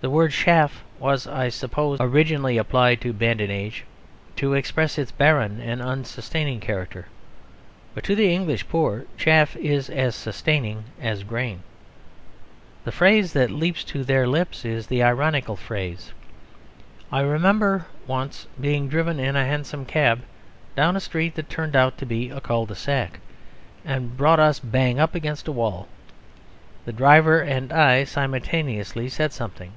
The word "chaff" was, I suppose, originally applied to badinage to express its barren and unsustaining character; but to the English poor chaff is as sustaining as grain. The phrase that leaps to their lips is the ironical phrase. I remember once being driven in a hansom cab down a street that turned out to be a cul de sac, and brought us bang up against a wall. The driver and I simultaneously said something.